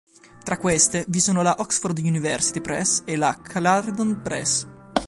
Tra queste, vi sono la Oxford University Press e la Clarendon Press.